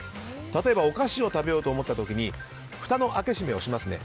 例えば、お菓子を食べようと思った時にふたの開け閉めをしますね。